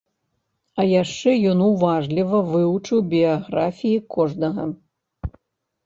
А яшчэ ён уважліва вывучыў біяграфіі кожнага.